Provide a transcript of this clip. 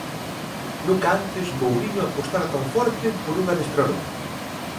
Nunca antes Mouriño apostara tan forte por un adestrador.